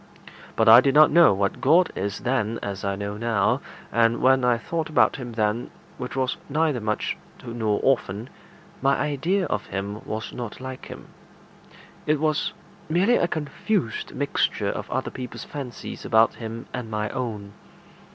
But I did not know what God is then as I know now, and when I thought about him then, which was neither much nor often, my idea of him was not like him; it was merely a confused mixture of other people's fancies about him and my own.